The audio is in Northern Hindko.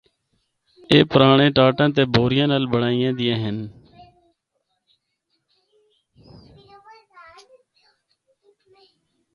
اے پرانڑے ٹاٹاں تے بوریاں نال بنڑائیاں دیّاں ہن۔